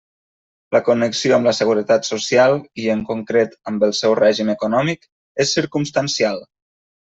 La connexió amb la Seguretat Social i, en concret, amb el seu règim econòmic, és circumstancial.